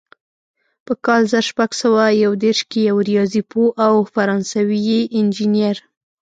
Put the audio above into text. په کال زر شپږ سوه یو دېرش کې یو ریاضي پوه او فرانسوي انجینر.